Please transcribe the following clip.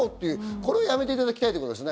これはやめていただきたいですね。